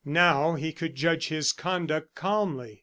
Now he could judge of his conduct calmly.